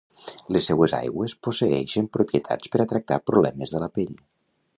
Les seues aigües posseïxen propietats per a tractar problemes de la pell.